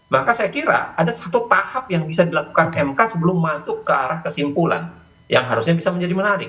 maka saya kira ada satu tahap yang bisa dilakukan mk sebelum masuk ke arah kesimpulan yang harusnya bisa menjadi menarik